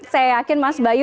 saya yakin mas bayu